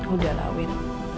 udah lah win